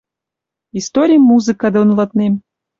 Историм музыка дон лыднем.